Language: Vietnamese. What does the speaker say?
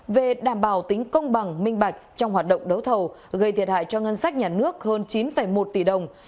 về đảm bảo tính công bằng minh bạch trong hoạt động đấu thầu gây thiệt hại cho ngân sách nhà nước hơn chín một tỷ đồng